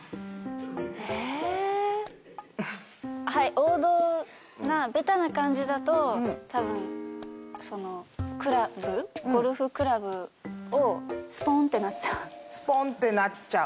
王道なベタな感じだと多分クラブゴルフクラブスポンってなっちゃう。